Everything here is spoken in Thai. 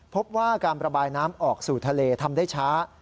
พบว่าการประบายน้ำออกสู่ทะเลทำได้ช้า